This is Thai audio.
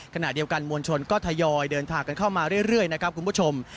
ขณะเดียวกันมวลชนก็ทยอยเดินทางกันเข้ามาเรื่อยนะครับคุณผู้ชม